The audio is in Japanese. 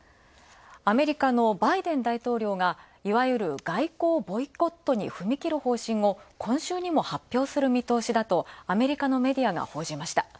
アメリカのバイデン大統領が、いわゆる外交ボイコットに踏み切る方針を今週にも発表する見通しだと、アメリカのメディアが報じました。